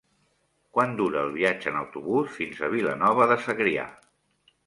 Quant dura el viatge en autobús fins a Vilanova de Segrià?